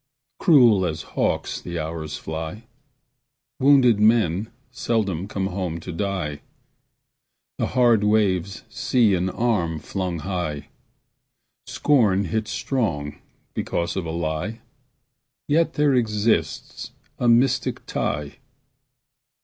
Cruel as hawks the hours fly; Wounded men seldom come home to die; The hard waves see an arm flung high; Scorn hits strong because of a lie; Yet there exists a mystic tie.